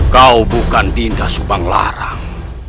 kau bukan dinda subanglarang